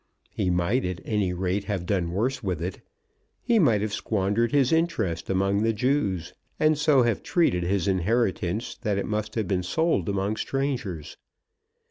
He might at any rate have done worse with it. He might have squandered his interest among the Jews, and so have treated his inheritance that it must have been sold among strangers.